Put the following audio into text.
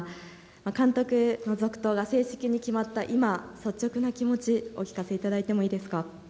監督の続投が正式に決まった今、率直な気持ち、お聞かせいただい